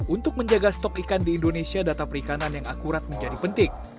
untuk menjaga stok ikan di indonesia data perikanan yang akurat menjadi penting